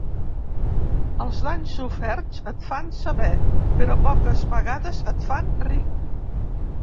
Els danys soferts et fan saber, però poques vegades et fan ric.